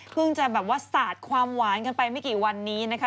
จะแบบว่าสาดความหวานกันไปไม่กี่วันนี้นะคะ